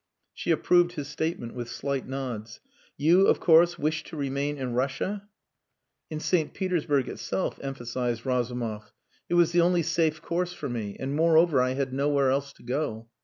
She approved his statement with slight nods. "You, of course, wished to remain in Russia?" "In St. Petersburg itself," emphasized Razumov. "It was the only safe course for me. And, moreover, I had nowhere else to go."